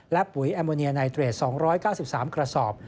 และปุ๋ยแอมโมเนียไนเตรด๒๙๓กระสอบ